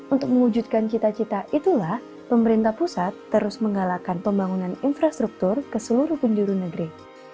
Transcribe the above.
untuk mewujudkan cita cita itulah pemerintah pusat terus menggalakkan pembangunan infrastruktur ke seluruh penjuru negeri